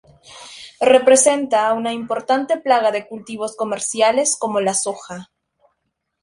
Representa una importante plaga de cultivos comerciales como la soja.